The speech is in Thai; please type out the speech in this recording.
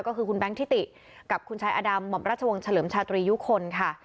ก็คือคุณแบงคิติกับคุณชายอดำหม่อมราชวงศ์เฉลิมชาตรียุคลค่ะ